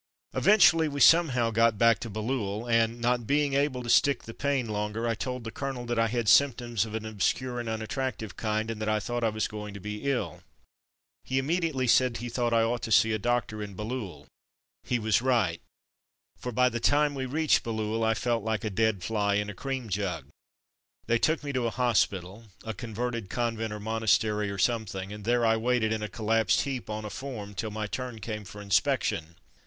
Eventually we somehow got back to Bailleul and, not being able to stick the pain longer, I told the colonel that I had symp toms of an obscure and unattractive kind, and that I thought I was going to be ill. He immediately said he thought I ought to see a doctor in Bailleul. He was right; for, by the time we reached Bailleul, I felt like a dead fly in a cream jug. They took me to a hospital — a converted convent or monastery, or something; and there I waited in a collapsed heap on a form till my turn came for inspection.